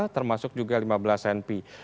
termasuk juga lima belas senpi